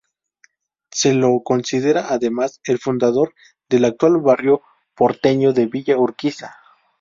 Se lo considera además el fundador del actual barrio porteño de Villa Urquiza.